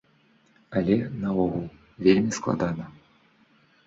Але, наогул, вельмі складана.